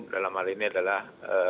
dalam hal ini adalah